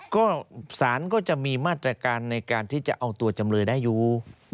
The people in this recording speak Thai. ก็สารก็จะมีมาตรการในการที่จะเอาตัวจำเลยได้อยู่